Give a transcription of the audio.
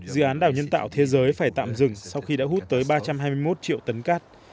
dự án đào nhân tạo thế giới phải tạm dừng sau khi đã hút tới ba trăm hai mươi một triệu tấn cát